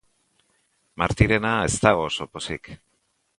Martirena ez dago oso pozik.